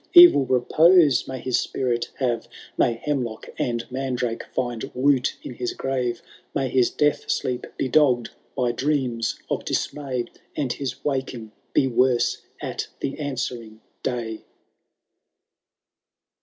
EtU repose may his spirit hare, — Hay hemlock and mandrake find root in his gmve^— May his death sleep be dogged by dreams of dismay. And his waking be worse at the answering day.